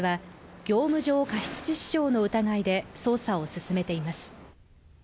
警察は業務上過失致死傷の疑いで捜査を進めています。